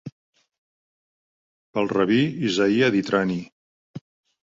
Pel rabí Isaiah di Trani.